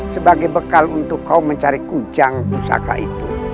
sebagai bekal untuk kau mencari kujang pusaka itu